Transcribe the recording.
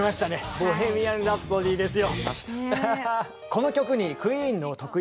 「ボヘミアン・ラプソディ」ですよ。